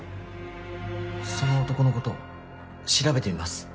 その男のこと調べてみます。